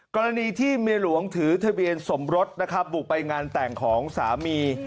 กรณีที่เมียหลวงถือทะเบียนสมรสนะครับบุกไปงานแต่งของสามี